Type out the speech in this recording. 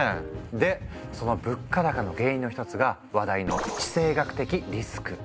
でその物価高の原因の一つが話題の「地政学的リスク」。